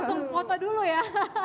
langsung foto dulu ya